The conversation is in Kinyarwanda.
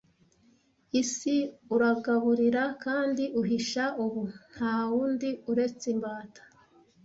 Isi, uragaburira kandi uhisha ubu ntawundi uretse imbata?